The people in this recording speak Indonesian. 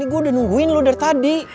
gue udah nungguin lo dari tadi